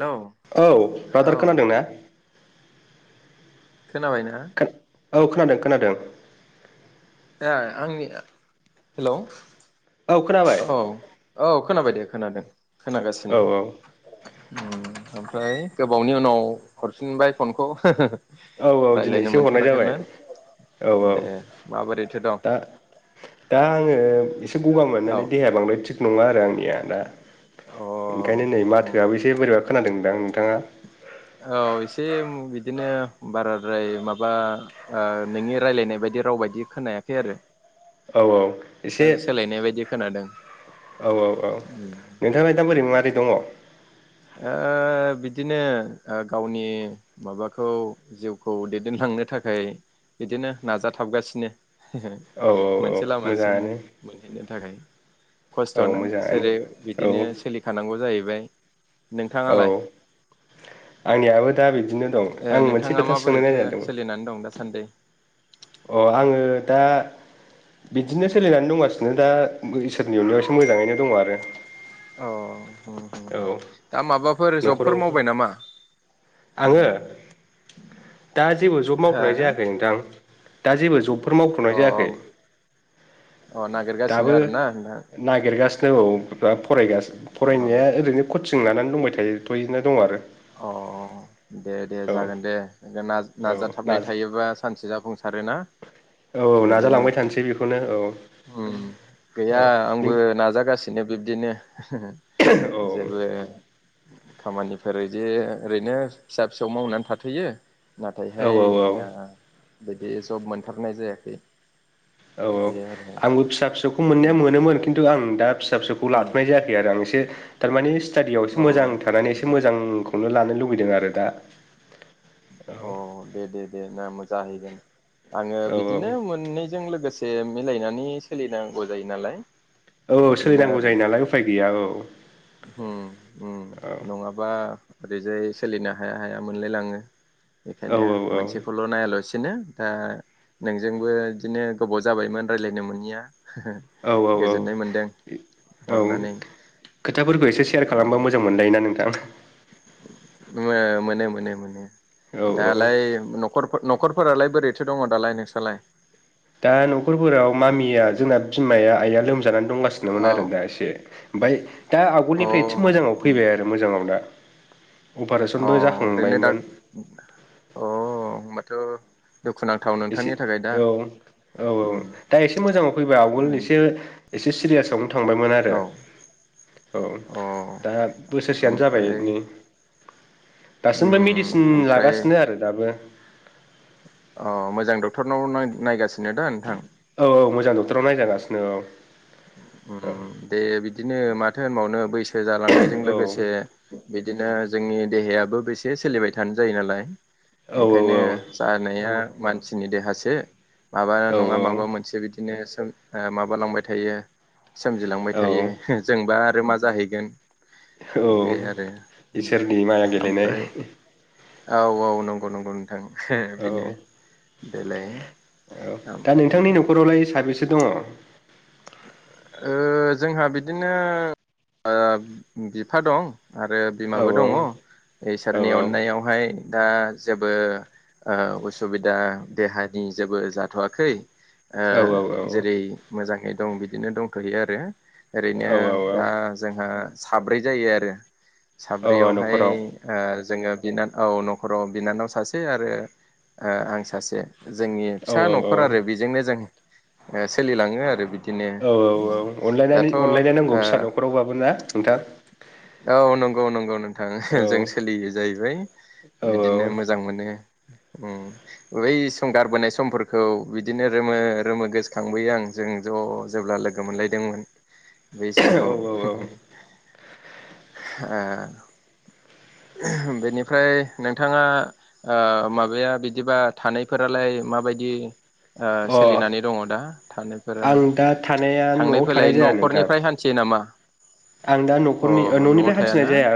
Hello औ औ brother खोनादों ना? खोनाबायना? औ खोनादों खोनादों ए आंनिया हेलौ औ खोनाबाय औ औ खोनाबाय दे खोनादों औ खोनागासिनो ओमफ्राय गोबावनि उनाव हरफिनबाय फनखौ। औ औ दिनै रायज्लायनो एसे हरनाय जाबाय, मोनथाराखैमोन औ औ दे माबोरैथो दं दा दा आङो। एसे गगा औ मोननानैेहाया बांद्राय थिग नङा आरो अ आं ायनो न हुम हुम मोसे बोर ब खोनादोंमोन दां आं नोंथाङा? औ एसे बिदिनो बाराद्राय माबा नोंनि रायलायनाय बायदि राव बायदि खोनायाखै आरो। औ औ। एसे सोलायनाय बायदि खोनादों औ औ औ उम नोंथांा दा बोरै माबोरै? दङ बिदिनो गावनि माबाखौ जिउखौ दैदेनलांनो थाखाय बिदिनो नाजाथाबगासिनो। औ औ मोनसे लामासिम मोजाङानो मोनहैनो। नि थाखाय औ खस्थ'नाा मोजाङानो जेरै औ बिदिनो सोलिखानांगौ जायो। बेबाय औ आंनियाबो दाबि ए नोंथाङा माबोरैथो सोलिनानै दं दासान्दि? अ आङो दा बिदिनो सोलिनानै दंगासिनो दा इसोरनि उननायाव एसे मोजाङैनो दङ आरो। औ। औ। न'खराव, मावबाय नामा आङो? नोंथाङा दा जेबो जब मावथ'नाय जायाखै नोंथां, दा जेबो जबफोर मावथ'नाय हो जायाखै। अ अ नागिरगासिनो दाबो आरोना नोंथां न फगासिनो औ द फरायगासिनो अ फरायनाया ओरैनो कचं जों लानानै दंबाय थायो। गायथ'यैनो दं आरो। अ दे दे औ जागोन दे दे औ नाजाथाबनाय नाज थायोबा सानसे जाफुंसारो ना? औ औ बिदिनो नाजालांबाय थानोसै बेखौनो औ उम औ गैया आंबो नों नाजागासिनो बिब्दिनो। औ जेबो खामानि फोर बिदि ओरैनो फिसा फिसौ मावनानै थाथ'यो। औ नाथायहाय औ औ आ। बिदि जब मोनथारनाय जायाखै। औ औ बे आरो आंबो फिसा फिसौ उम मोननाया मोनोमोन खिन्थु आं दा फिसा फिसौखौ उम लाथ'नाय जायाखै आरो आं एसे तारमानेस स्टाडियाव एसे अ मोजां थानानै एसे मोजांखौ खौनो लानो लुबैदों आरो दा अ दे दे दे नामो जाहैगोन आङो औ बिदिनो मोननैजों लोगोसे से मिलायनानै सोलिनांगौ जायो नालाय औ बिदिनो सोलिनांगौ आरो जायो नालाय उफाय गैया औ उम उम नङाबा आ ओरैजाय सोलिनो हाया हाया मोनलाय लाङो। औ बेखायनो मोनसेखौल' नायालासिनो दा नोंजोंबो बिदिनो गोबाव जाबायमोन रायलायनो मोनिया। औ गोजोननाय मोनदों औ हरनानै। खोथाफोरखौ एसे सेयार खालामबा मोजां मोनलायो ना‌ नों थां मो-मोनो मोनो मोनो। औ औ दालाय न'खरफोर न'खर फोरालाय बोरैथो दङ दालाय नोंसालाय? दा न'खरफोराव मामिया जोंना बिमाया आइआ लोमजानानै दंगासिनोमोन औ आरो दा एसे। बाय दा अ आगोलनिफ्राय एसे मोजाङाव फैबाय आरो मोजाङाव दा। अ अपारेसनबो ओरैनो दा जाखांबायमोन अ होमबाथ' एसे औ औ औ उम दा एसे मोजाङाव फैबाय आवगोल एसे एसे सिरियासआवनो थांबायमोन आरो औ औ अ दा बोसोरसेयानो जाबाय ओमफ्राय नै दासिमबो मिडिसिन उम ओमफ्राय लागासिनो आरो दाबो। अ मोजां डक्टरनाव नाय-नायगासिनो दा नोंथां? औ औ मोजां डक्टराव नायजागासिनो औ। ओम ओ दे बिदिनो माथ थो होनबावनो बैस सो जालांनायजों लोगोसे औ बिदि बिदिनो जोंनि देहायाबो बेसे सोलिबाय थानो जायो नालाय। औ औ बेखायनो जानाया मानसिनि देहासो। माबा नङा माबा औ मोनसे बिदिनो ओ माबालांबाय थायो। सोमजिलांबाय औ थायो जोंबा मा जाहैगोन? औ बे आरो इसोरनि माया गेलेनाय। ओमफ्राय औ औ नंगौ नंगौ नों थां [unintelligible] औ बिनो देलाय औ ओम दा उम नोंथांनि न'खरावलाय साबेसे दङ' ओ जोंहा बिदिनो ओ बिफा दं। आरो औ बिमाबो दङ' औ इसोरनि अननायावहाय दा जेबो ओ उसुबिदा देहानि जेबो जाथ'वाखै। ओ औ औ जेरै मोजां दं बिदिनो दंथ'यो आरो ओरैनो औ औ दा जोंहा साब्रै जायो आरो औ औ साब्रैयावहाय न'खराव ओ जोंङो बिनानाव औ न'खराव बिनानाव सासे आरो ओ आं सासे। जोंनि औ फिसा औ न'खर औ आरो बेजोंनो जों ओ सोलिलाङो आरो बि औ औ औ अनलायनानै अनलायनाय नांगौ फिसा ओ न'खरावबाबो ना नोंथां औ नंगौ नंगौ नों थां औ जों सोलियो जाहैबाय औ बिदिनो मोजां मोनो। उम बै संगारबोनाय समफोरखौ बिदिनो रोमो रोमो गोसोखांबोयो आं जों ज' जेब्ला लोगो मोनलायदोंमोन। बै समखौ [unintelligible] औ औ आ बेनिफ्राय नोंथाङा आ माबाया बिदिबा थानायफोरालाय माबायदि आ औ अ सोलिनानै दङ' दा थानायफोरा आं दा थानाया थांलाय न'आव फैलाय थानाय जाया नोंथां न'खरनिफ्राय हान्थियो नामा? आं दा अ न'खरनि न'आव न'निफ्राय हान्थिनाय थायाना जाया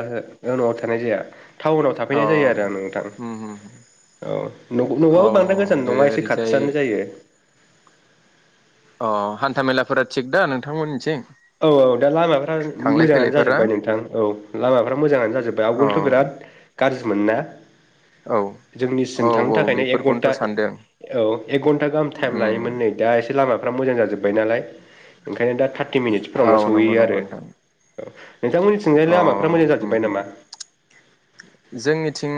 ओ न'आव थानाय जाया। टाउनाव अ थाफैनाय जायो आरो आ नोंथां उम उम औ। न'आ अ न'आबो बांद्राय गोजान दे नङा एसे ओरैजाय खाथियानो जायो। अ हान्था मेलाफोरा थिग दा नोंथांमोननिथिं औ औ दा लामाफ्रा थांलाय मोजाङानो फैलायफोरा जाजोब्बाय नोंथां औ लामाफ मोजाङानो जाजोब्बाय औ आवगोलथ' बिराद गाज्रि मोननाय औ जोंनिसिम औ थांनो औ थाखायनो एक बेफोरखौनोथ' घन्टा सानदों औ एक घन्टा गाहाम टाइम उम लायोमोन नै दा एसे लामाफ्र मोजांाजो जोबाय नालाय केनेडा फफटि औ मिनिट्सफोरावनो नंगौ सहैयो नंगौ आरो नोंथां औ नोंथांमोननिथिंजाय अ लामाफ्रा मोजां उम जाजोब्बाय उम नामा जोंनिथिं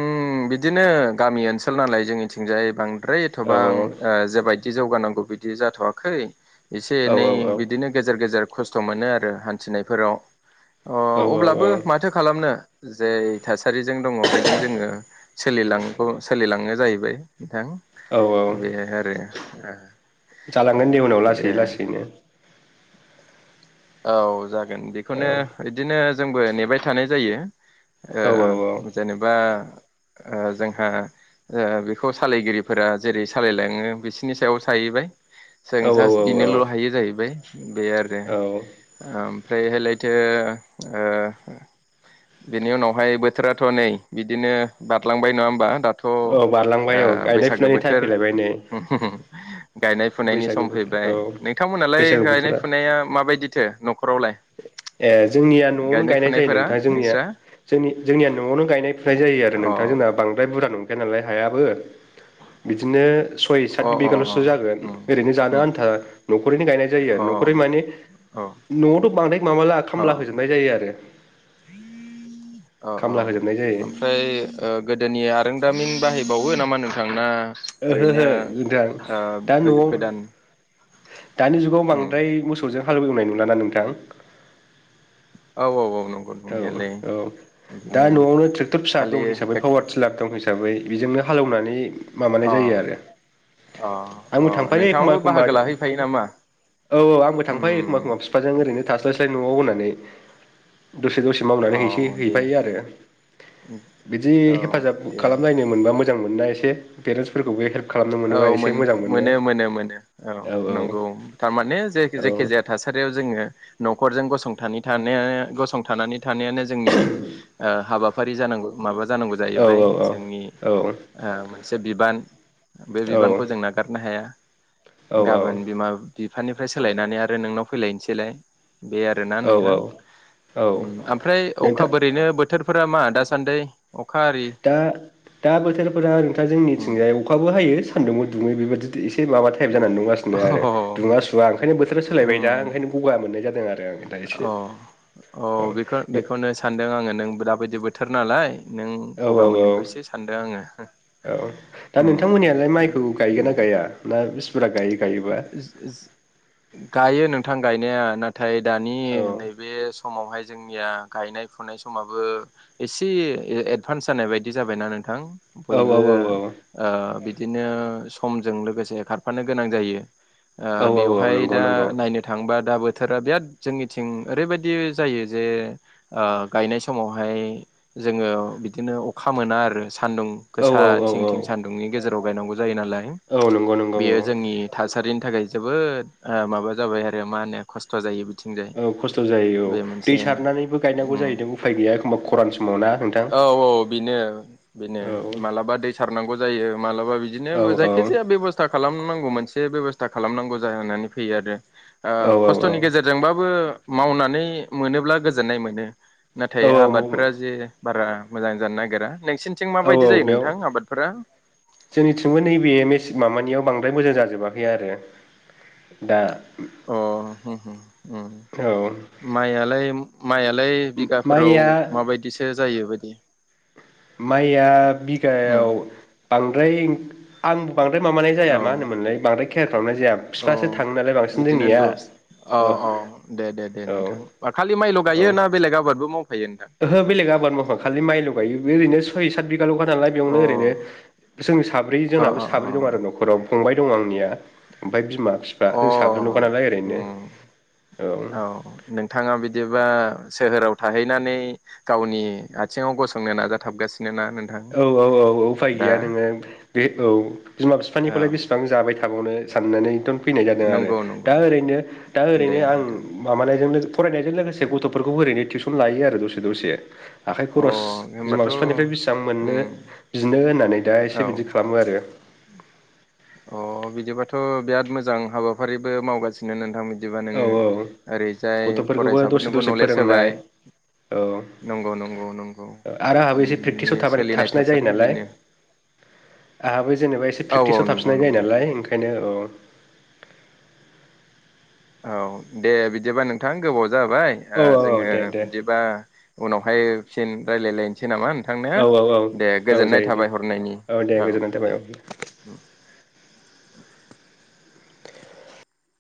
बिदिनो गामि ओनसोल नालाय जोंनिथिंजाय बांद ओै औ एथ'बा आं जेोबायदि जौगानांगौ बिदि जाथ'वाखै एसे औ एनै औ बिदिनो गेजेर गेजेर खस्थ' मोनो आरो हान्थिनायफोराव अ अब्लाबो औ औ माथो खालामनो जे थासारिजों दङ बेजों जोङो ोलिौ सोलिलांनो जाहैबाय नथां औ औ बेहाय आरो ए जालांगोन दे उनाव लासै लासैनो औ जाग औ बेखौनो बिदिनो जोंबो नेबाय थानाय जायो औ औ ओ जेनेबा ओ जोंहा ओ बेखौ सालायगिरिफोरा जेरै सालायलाङो बिसनि सायाव साहैबाय जों औ जास्ट औ बिनोल हायो जाहैबाय बे आरो औ आ ओमफ्रायहायलायथो ओ बेनि उनावहाय बोथोराथ नै बिदिनो बारलांबाय नङा होमबा दाथ औ बारलांबाय औ गायनाय बैसागो ओ फुनायनि टाइम बोथोर फैलायबाय नै गायनाय फुनायनि बैसागो सम बोथोर औ फैबाय नोंथांमोनालाय बैसागो गायनाय बोथोरा फुनाया माबायदि ए जोंनिया नआवनो गायनाय जायो फुनायफोरा नोंथाङा जोंनिया नोंस्रा ज जोंनिया नआवनो गायनाय फुनाय जायो आरो अ नोंथां जोंना बांद्राय बुरजा नं नालाय हायाबो बिदिनो सय अ सात अ बिगालसो जागोन उम ओरैनो जानो उम आन्था नखरैनो गायनाय अ जायो नखरै माने औ औ नआवथ बांद्राय माबाला खामला औ होजोबनाय जायो आरो औ औ खामला होजोबनाय जायो ओमफ्राय ओ गोदोनि आरोंदामिन बाहाय बावो नामा नोंथांना ओरैनो ओहोहो नोंथां ओ दा न'आव गो-गोदान दानि जुगाव बांद्राय मोसौजों हालववनाय नुला ना नोंथां औ औ नो औ औ दा नआवनो ट्रेक्टर फिसा खालि दं हिसाबै टेक पावार टिलार दं हिसाबै बेजोंनो हालेवनानै माबा नाय अ जायो आरो अ आंबो अ थांफायो एखबा नोंथाङाबो एनबा बाहागो लाहैफायो नामा औ औ आंबो थांफायो उम एखनबा एखनबा फिफाजों ओरैनो थास्लाय फथाय न'आव होननानै दसे दसे मावनानै औ हैसै दे हैफायो आरो बिदि औ हेफाजाब दे खालामलायनो मोनबा मोज मोजां मोननाया एसे पेरेन्टस फोरखौबो हेल्प खालामनो औ मोनोबा एसे मोन मोजां मोनो औ मोनो मोनो औ नंगौ थारमाने जे औ जेखि जाया थासारियाव जोङो न नखरजों गसंथानो गसंथानानै थानायानो जोंनि ओ हाबा फारि जानांगौ माबा जानांगौ जाहैबाय औ औ जोंनि औ ओ मोनसे बिबान बे बिबानखौ जों नागारनो हाया गाबोन बिमा बि बिफानिफ्राय सोलायनानै आरो नोंनाव फैलायनोसैलाय। बे आरो ना औ नोंथां औ औ ओमफ्राय अखा नोंथां ओरैनो बोथोर। बोथोरफोरा मा दासान्दि। अखा आरि दा दा बोथोरफोरा नोंथाङा उम जोंनिथिंजाय अखाबो हायो। सानदुंबो दुङो बेबायदि एसे। से माबा टाइप जानानै अ नुगासिनो आरो दुङा सुवा ओंखायनो बोथोरा सोलायबाय दा उम ओंखायनो गगा मोननाय जादों आरो आं दा एसे औ औ। बेखौ बेखौनो सानदों आङो नों दाबायदि बोथोर नालाय। नों औ गगा मोननायखौ एसे सानदों आंङो औ दा नोंथांमोननियालाय माइखौ गायगोन ना दे। गाया [inaudible] गायो। गायोबा गायो नों थां गायनाया नाथाय थाय दानि औ नैबे समावहाय जोंनिया गायनाय फुनाय समाबो एसे एदभान्स जानाय बायदि जाबायना नों थां औ बयबो ओ बिदिनो समजों लोगोसे खारफानो गोनां जायो। ओ औ औ बेवहाय नंगौ दा नंगौ नायनो थांङोबा दा बो थोरा बिराद जोंनिथिं ओरैबायदि जायो जे ओ गायनाय समावहाय जोङो बिदिनो अखा मोना आरो। सान्दुं औ गोसा औ थिं थिं औ सान्दुंनि गेजेराव गाय नांगौ जायो नालाय औ नंगौ नंगौ औ बेयो जोंनि‌ थासारिनि थाखाय जोबोद ओ माबा जाबाय आरो मा होनो खस्थ जायो बिथिंजाय औ खस्थ जायो औ बे दै मोनसे सारनानैबो गायनांगौ उम जाहैदों उफाय गैया एखमबा खरान समाव ना नोंथां? औ बेनो बेनो औ मालाबा दै सारनांगौ जायो मालाबा बिदिनो औ जायखिजाया बेबस्था खालामनां [unintelligible] एसे बेबस्था खालामनांगौ जाना होननानै फैयो आरो। औ ओ औ खस्थनि गेजेरजोंबाबो मावनानै मोनोब्ला गोजोननाय मोनो। नाथाय आबादफोरा औ जे बारा मोजां जानो नागिरा। नोंसिनिथिं औ माबायदि औ जायो बेयाव नोंथां आबादफोरा जोंनिथिंबो नैबे मेसें माबानियाव बांद्राय मोजां जाजोबाखै आरो दा अ हम हम औ माइआलाय माइआलाय बिगाफोराव माइया माबायदिसो जायोबायदि? माइया बिगायाव बां द्राय आं बांद्राय माबानाय जाया मा औ होनोमोनलाय बांद्राय खेयार खालामनाय जाया औ बिफासो थाङो नालाय बांसिन बिदिनो जोंनिया दस औ दे दे दे नोंथां खालि माइल' औ गायो ना बेलेग आबादबो मावफायो नोंथां ओहो बेलेग आबाद मावा खालि माइल' गायो ओरैनो स'य सात बि गाल'खा नालाय अ बेयावनो ओरैनो जोंनि साब्रै अ जोंनाबो साब्रै दं आरो न'खराव फंबाय दं आंनिया ओमफ्राय बिमा बिफा अ जों साब्रैल'खा नालाय ओरैनो उम औ नोंथाङा बिदिबा सोहोराव थाहैनानै गावनि आथिङाव गसंनो नाजाथाबगासि औ औ औ उफाय गैया नोङो बे औ बिमा बिफानिखौलाय औ बेसेबां जाबाय था थाबावनो साननानै' एगदम फैनाय जादों आरो नंगौ दा नंगौ ओरैनो दा दे ओरैनो आं नोंथां माबानायजों फरायनायजों लोगोसे गथ'फोरखौ ओरैनो टिउसन लायो आरो दसे दसे आखाइ अ खरस बिमा होमबाथ' बिफानिफ्राय बेसि उम मोननो बिनो होननानै दा एसे औ बिदि खालामो आरो औ अ बिदिबाथ' बिराद मोजां हाबाफारिबो मावगासिनो नोंथां बिदिबा औ नोङो ओरैजाय गथ'फोरखौबो दसे फरायसाफोरनोबो दसे नलेज होबाय फोरोंनाय औ नंगौ नंगौ नंगौ आरो आंहाबो एसे नोंनि प्रेकटिसाव थाब सोलिनाय थाफिननाय जायो थासारिया नालाय बेनो से औ औ प्रेक्टिसाव नंगौ थाबसिननाय जायो नंगौ नालाय नोंथां ओंखायनो औ [inaudible] औ दे बिदिब्ला नोंथां गोबाव जाबाय ओ औ औ जोङो दे दे बिदिबा उनावहायन फिन रायलायलाय सै नामा नोंथांनो औ औ दे औ गोजोननाय जायो दे थाबाय हरनायनि दे औ गोजोननाय थाबाय दे औ